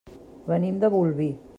Venim de Bolvir.